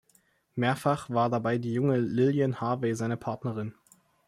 Mehrfach war dabei die junge Lilian Harvey seine Partnerin.